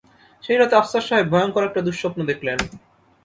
সেই রাতে আফসার সাহেব ভয়ংকর একটা দুঃস্বপ্ন দেখলেন।